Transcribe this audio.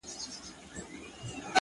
• هغه ليوني ټوله زار مات کړی دی ـ